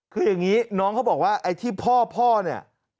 คืออย่างนี้น้องเขาบอกว่าไอ้ที่พ่อเนี่ย